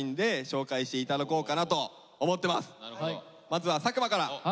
まずは作間から。